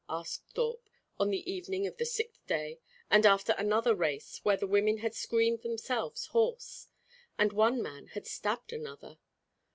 asked Thorpe, on the evening of the sixth day, and after another race where the women had screamed themselves hoarse, and one man had stabbed another.